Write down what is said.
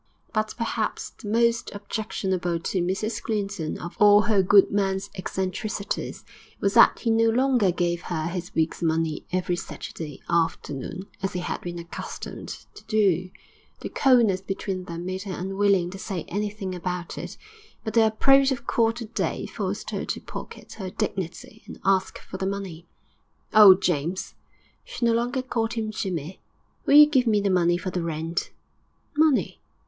But perhaps the most objectionable to Mrs Clinton of all her good man's eccentricities, was that he no longer gave her his week's money every Saturday afternoon as he had been accustomed to do; the coldness between them made her unwilling to say anything about it, but the approach of quarter day forced her to pocket her dignity and ask for the money. 'Oh, James!' she no longer called him Jimmy 'will you give me the money for the rent?' 'Money?'